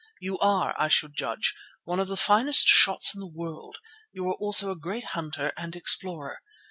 You are, I should judge, one of the finest shots in the world, you are also a great hunter and explorer.